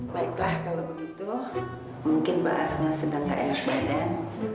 baiklah kalau begitu mungkin mbak asma sedang tak enak badan